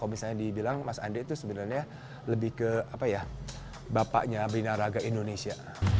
kalau misalnya dibilang mas andri itu sebenarnya lebih ke bapaknya binaraga indonesia